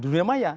di dunia maya